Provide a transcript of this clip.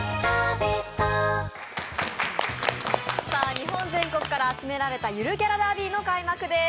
日本全国から集められたゆるキャラダービーの開幕です。